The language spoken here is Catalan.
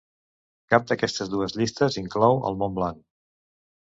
Cap d'aquestes dues llistes inclou el mont Blanc.